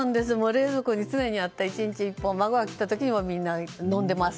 冷蔵庫に常にあって、１日１本孫が来た時にもみんな飲んでいます。